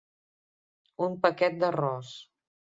Un paquet d'arròs.